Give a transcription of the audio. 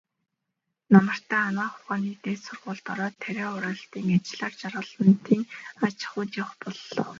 Намартаа Анагаах ухааны дээд сургуульд ороод, тариа хураалтын ажлаар Жаргалантын аж ахуйд явах боллоо.